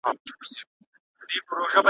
پرېږده چي دا سره لمبه په خوله لري`